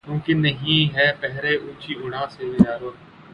ممکن نہیں ہے پہرہ اونچی اڑاں پہ یارو